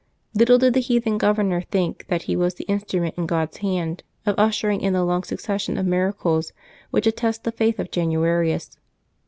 Little did the heathen governor think that he was the in strument in God's hand of ushering in the long succession of miracles which attest the faith of Januarius.